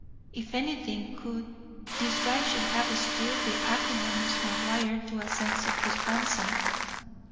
If anything could, this drive should have stirred the acrimonious McGuire to a sense of his ransom.